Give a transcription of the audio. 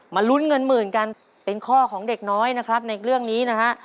ลุ้นเงินหมื่นกันเป็นข้อของเด็กน้อยนะครับในเรื่องนี้นะฮะ